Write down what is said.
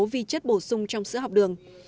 vì chất bổ sung trong sữa họp đường